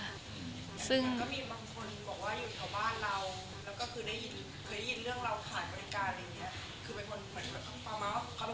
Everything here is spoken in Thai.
มีบางคนบอกว่าอยู่แถวบ้านเราได้ยินเรื่องเราขายบริการ